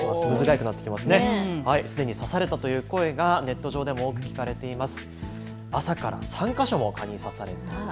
すでに刺されたという声がネット上でも多く聞かれています。